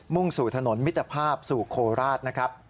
่งสู่ถนนมิตรภาพสู่โคราชนะครับ